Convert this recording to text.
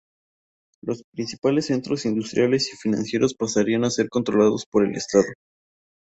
Los principales centros industriales y financieros pasarían a ser controlados por el Estado.